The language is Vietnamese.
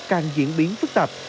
càng diễn biến phức tạp